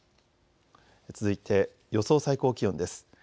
続いて予想最高気温です。